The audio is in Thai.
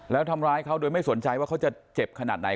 แล้วทำร้ายเขาโดยไม่สนใจว่าเขาจะเจ็บขนาดไหน